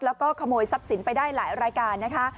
แล้วก็ขโมยทรัพย์สินไปได้หลายรายการนะคะ